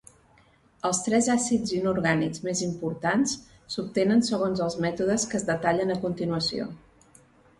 Els tres àcids inorgànics més importants s'obtenen segons els mètodes que es detallen a continuació.